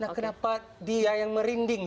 nah kenapa dia yang merinding